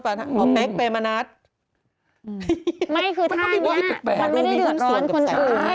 อ๋อเป๊กเป็นบรรณัฐไม่คือท่านี้น่ะมันไม่ได้เดือดร้อนคนอื่น